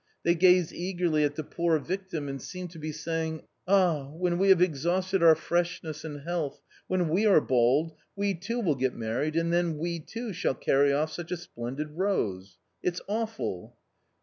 They gaze eagerly at the poor victim and seem to be saying :' Ah, when we have exhausted our freshness and health, when we are bald, we too will get married and then we too shall carry of! such a splendid rose:} It's awful